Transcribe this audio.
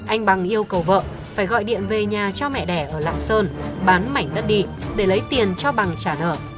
anh bằng yêu cầu vợ phải gọi điện về nhà cho mẹ đẻ ở lạng sơn bán mảnh đất đi để lấy tiền cho bằng trả nợ